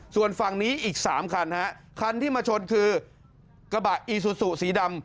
ส่วนฝั่งนี้อีก๓คันฮะคันที่มาชนคือกระบะอีซูซูสีดำ